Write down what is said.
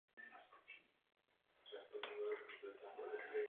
Do té míry se jedná o formální postup.